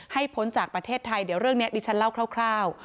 พ้นจากประเทศไทยเดี๋ยวเรื่องนี้ดิฉันเล่าคร่าว